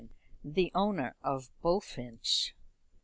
The Owner of Bullfinch.